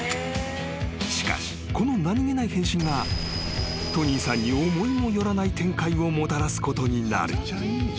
［しかしこの何げない返信がトニーさんに思いも寄らない展開をもたらすことになる］